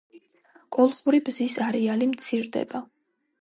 კოლხური ბზის არეალი მცირდება.